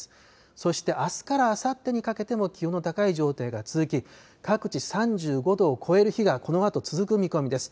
そしてあすからあさってにかけても気温の高い状態が続き各地３５度を超える日がこのあと続く見込みです。